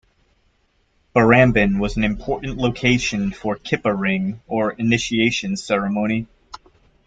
Barrambin was an important location for "kippa-ring" or initiation ceremony.